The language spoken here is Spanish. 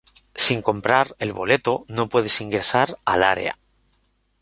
Sin comprar el boleto, no puedes ingresar al área.